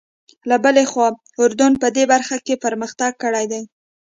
له بلې خوا اردن په دې برخه کې پرمختګ کړی دی.